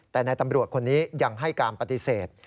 แต่นายตำรวจคนนี้ยังให้การปฏิเสธ